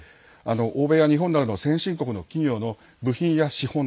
欧米や日本などの先進国の企業の部品や資本